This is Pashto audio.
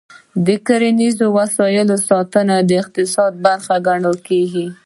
د کرنیزو وسایلو ساتنه د اقتصاد برخه بلل کېږي.